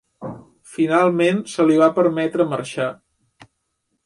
Finalment se li va permetre marxar.